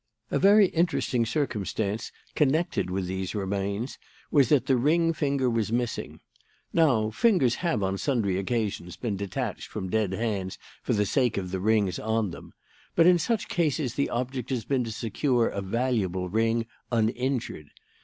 "A very interesting circumstance connected with these remains was that the ring finger was missing. Now, fingers have on sundry occasions been detached from dead hands for the sake of the rings on them. But in such cases the object has been to secure a valuable ring uninjured.